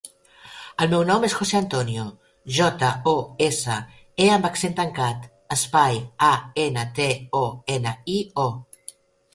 El meu nom és José antonio: jota, o, essa, e amb accent tancat, espai, a, ena, te, o, ena, i, o.